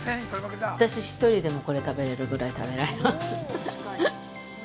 私１人でも、これ食べれるぐらい食べられます。